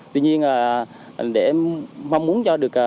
tuy nhiên để mong muốn cho được